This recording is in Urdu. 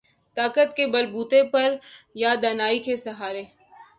طاقت کے بل بوتے پہ یا دانائی کے سہارے۔